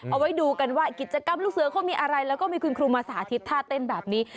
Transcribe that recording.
เอาไว้ดูกันว่ากิจกรรมลูกเสือเขามีอะไรแล้วก็มีคุณครูมาสาธิตท่าเต้นแบบนี้